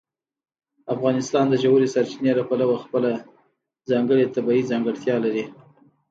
افغانستان د ژورې سرچینې له پلوه خپله ځانګړې طبیعي ځانګړتیا لري.